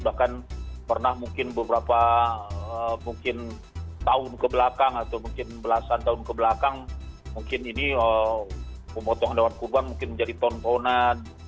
bahkan pernah mungkin beberapa mungkin tahun kebelakang atau mungkin belasan tahun kebelakang mungkin ini pemotongan hewan kurban mungkin menjadi tontonan